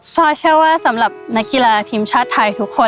ซอยเชื่อว่าสำหรับนักกีฬาทีมชาติไทยทุกคน